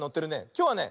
きょうはね